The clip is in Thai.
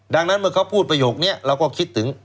ดังนั้นเมื่อเขาพูดประโยคนี้เราก็คิดถึง